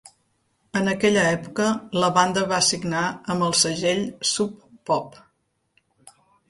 En aquella època, la banda va signar amb el segell Sub Pop.